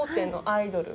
アイドル！